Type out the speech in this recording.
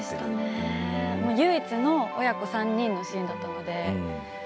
唯一の親子３人のシーンだったんです。